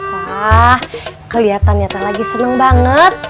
wah kelihatan nyata lagi seneng banget